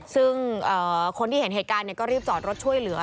ซึ่งคนที่เห็นเหตุการณ์ก็รีบจอดรถช่วยเหลือ